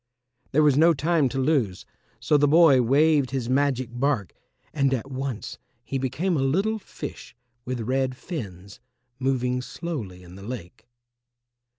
There was no time to lose, so the boy waved his magic bark, and at once he became a little fish with red fins, moving slowly in the lake.